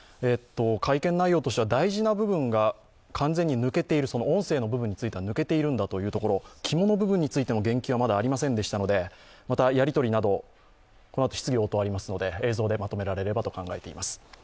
会見内容としては、大事な部分が完全に抜けている、音声の部分については抜けているんだというところ、肝の部分についての言及はまだありませんでしたのでまたやりとりなど、このあと質疑応答がありますので映像でまとめられればと考えています。